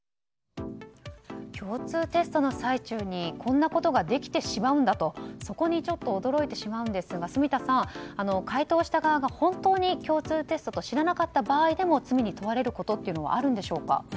共通テストの最中にこんなことができてしまうんだとそこに驚いてしまうんですが住田さん、解答した側が本当に共通テストと知らなかった場合でも罪に問われることってあるのでしょうか。